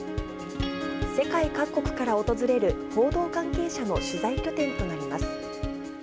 世界各国から訪れる報道関係者の取材拠点となります。